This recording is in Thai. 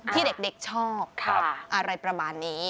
ที่เด็กชอบอะไรประมาณนี้